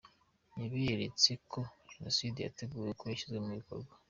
Yaberetse uko Jenoside yateguwe nuko yashyizwe mu bikorwa.